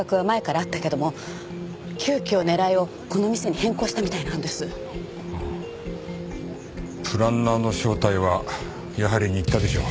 ああプランナーの正体はやはり新田でしょう。